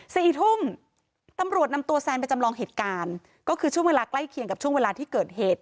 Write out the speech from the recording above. สี่ทุ่มตำรวจนำตัวแซนไปจำลองเหตุการณ์ก็คือช่วงเวลาใกล้เคียงกับช่วงเวลาที่เกิดเหตุ